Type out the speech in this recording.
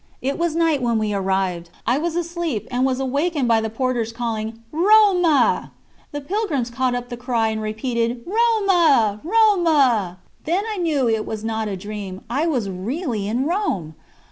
It was night when we arrived. I was asleep, and was awakened by the porters calling: "Roma!" The pilgrims caught up the cry and repeated: "Roma, Roma!" Then I knew that it was not a dream, I was really in Rome!